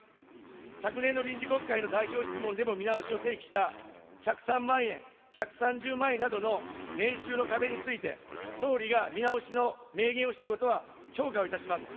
昨年の臨時国会の代表質問でも見直しを提起した１０３万円、１３０万円などの年収の壁について、総理が見直しの明言をしたことは評価をいたします。